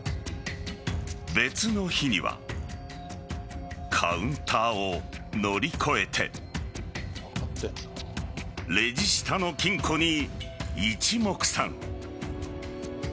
別の日にはカウンターを乗り越えてレジ下の金庫に一目散。